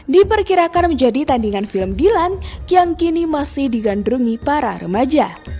diperkirakan menjadi tandingan film dilan yang kini masih digandrungi para remaja